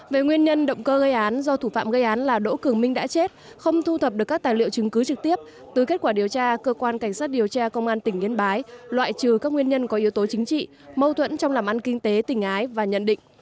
về nguyên nhân động cơ gây án do thủ phạm gây án là đỗ cường minh đã chết không thu thập được các tài liệu chứng cứ trực tiếp từ kết quả điều tra cơ quan cảnh sát điều tra công an tỉnh yên bái loại trừ các nguyên nhân có yếu tố chính trị mâu thuẫn trong làm ăn kinh tế tình ái và nhận định